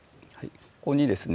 ここにですね